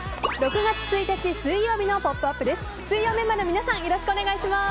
６月１日、水曜日の「ポップＵＰ！」です。